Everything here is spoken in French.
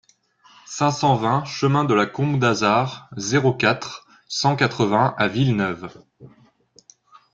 cinq cent vingt chemin de la Combe d'Azard, zéro quatre, cent quatre-vingts à Villeneuve